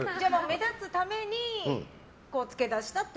目立つためにつけだしたって？